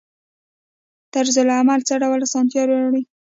طرزالعمل څه ډول اسانتیا راوړي؟